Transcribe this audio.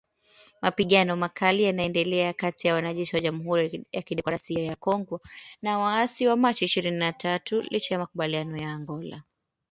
Mapigano makali yanaendelea kati ya wanajeshi wa Jamuhuri ya kidemokrasia ya Kongo na waasi wa Machi ishirini na tatu licha ya makubaliano ya Angola